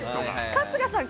春日さん